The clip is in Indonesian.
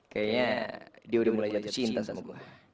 kayaknya dia udah mulai jatuh cinta sama gue